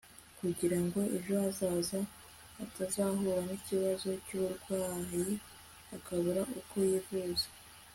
kugira ngo ejo hazaza atazahura n'ikibazo cy'uburwayi akabura uko yivuza